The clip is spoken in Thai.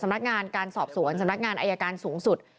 นักงานการสอบสวนสำนักงานอายการสูงสุด